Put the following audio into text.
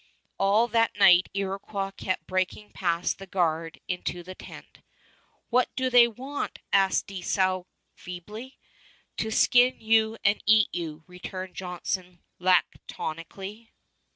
All that night Iroquois kept breaking past the guard into the tent. "What do they want?" asked Dieskau feebly. "To skin you and eat you," returned Johnson laconically.